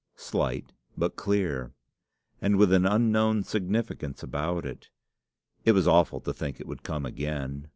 slight, but clear, and with an unknown significance about it! It was awful to think it would come again.